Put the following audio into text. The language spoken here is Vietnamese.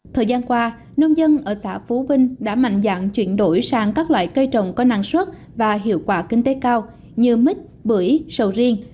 thời gian qua nông dân ở xã phú vinh đã mạnh dạng chuyển đổi sang các loại cây trồng có năng suất và hiệu quả kinh tế cao như mít bưởi sầu riêng